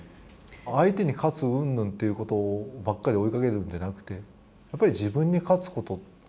相手に勝つうんぬんっていうことばっかり追いかけるんではなくてやっぱり自分に勝つこと。